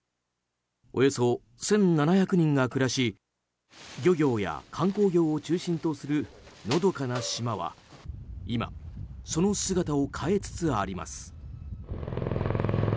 およそ１７００人が暮らし漁業や観光業を中心とするのどかな島は今、その姿を変えつつあります。